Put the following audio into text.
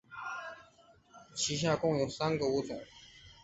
其下共有三个物种。